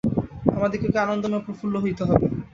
আমাদিগকে আনন্দময় ও প্রফুল্ল হইতে হইবে।